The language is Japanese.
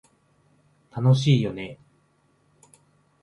楽しいよね